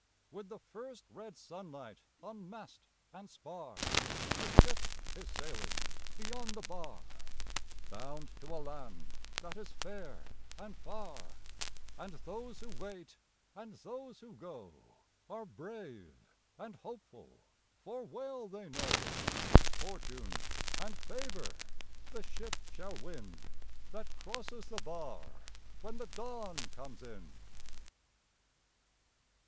With the first red sunlight on mast and spar A ship is sailing beyond the bar, Bound to a land that is fair and far; And those who wait and those who go Are brave and hopeful, for well they know Fortune and favor the ship shall win That crosses the bar when the dawn comes in.